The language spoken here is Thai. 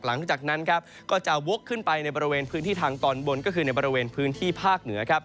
หลังจากนั้นครับก็จะวกขึ้นไปในบริเวณพื้นที่ทางตอนบนก็คือในบริเวณพื้นที่ภาคเหนือครับ